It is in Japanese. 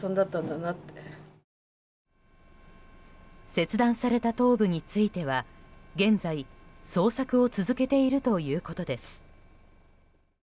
切断された頭部については現在、捜索を続けているということです。